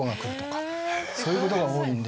そういうことが多いんで。